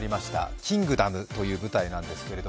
「キングダム」という舞台なんです。